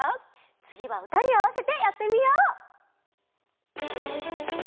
つぎはうたにあわせてやってみよう！